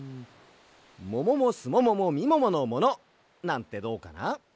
もももすもももみもものもの！なんてどうかな？